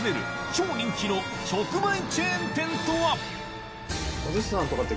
超人気の直売チェーン店とは？